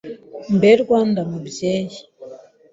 Mbe Rwanda mubyeyi